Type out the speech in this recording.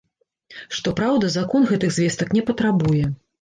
Што праўда, закон гэтых звестак не патрабуе.